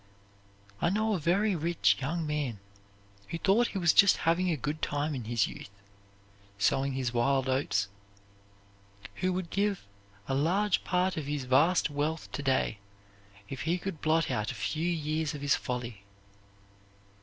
I know a very rich young man who thought he was just having a good time in his youth sowing his wild oats who would give a large part of his vast wealth to day if he could blot out a few years of his folly.